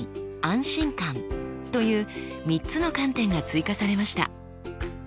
「安心感」という３つの観点が追加されました。